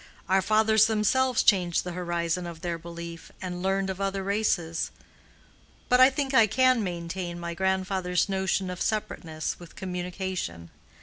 Our fathers themselves changed the horizon of their belief and learned of other races. But I think I can maintain my grandfather's notion of separateness with communication.